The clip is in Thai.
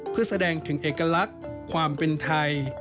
เพื่อแสดงถึงเอกลักษณ์ความเป็นไทย